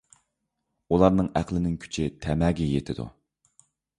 ئۇلارنىڭ ئەقلىنىڭ كۈچى تەمەگە يېتىدۇ.